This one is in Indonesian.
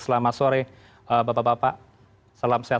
selamat sore bapak bapak selamat sore